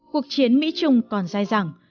cuộc chiến mỹ trung còn dài rằng